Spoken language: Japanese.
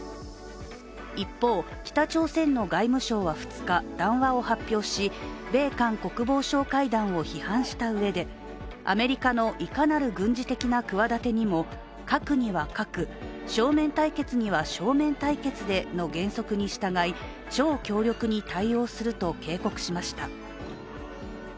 一方、北朝鮮の外務省は２日談話を発表し米韓国防相会談を批判したうえでアメリカのいかなる軍事的な企てにも核には核、正面対決には正面対決での原則に従い超強力に対応すると警告しました。